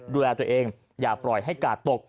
ดูแลตัวเองอย่าปล่อยให้กาดตก